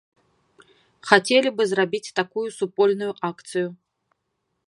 Хацелі бы зрабіць такую супольную акцыю.